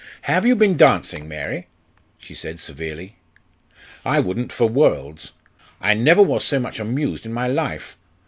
"Have you been dancing, Mary?" she said severely. "I wouldn't for worlds! I never was so much amused in my life.